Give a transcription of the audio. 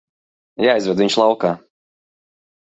Jāizved viņš laukā.